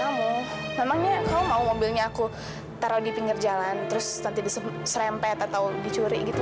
kamu memangnya kamu mau mobilnya aku taruh di pinggir jalan terus nanti diserempet atau dicuri gitu